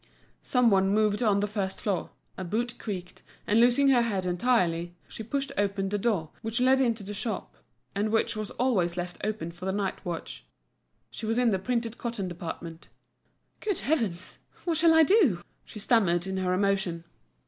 Some one moved on the first floor, a boot creaked, and losing her head entirely, she pushed open a door which led into the shop, and which was always left open for the night watch. She was in the printed cotton department. "Good heavens! what shall I do?" she stammered, in her emotion.